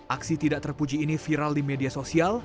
aksi tidak terpuji ini viral di media sosial